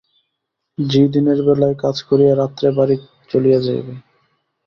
ঝি দিনের বেলায় কাজ করিয়া রাত্রে বাড়ি চলিয়া যাইবে।